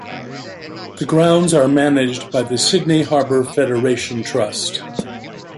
The grounds are managed by the Sydney Harbour Federation Trust.